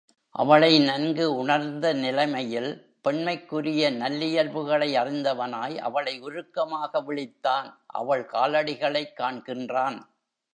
அவளை நன்கு உணர்ந்த நிலைமையில் பெண்மைக்குரிய நல்லியல்புகளை அறிந்தவனாய் அவளை உருக்கமாக விளித்தான் அவள் காலடிகளைக் காண்கின்றான்.